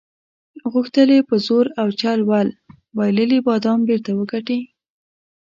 غوښتل یې په زور او چل ول بایللي بادام بیرته وګټي.